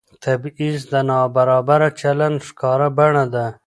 تبعیض د نابرابر چلند ښکاره بڼه ده